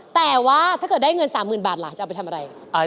แต่ว่าถ้าเกิดได้เงิน๓๐๐๐บาทหลานจะเอาไปทำอะไร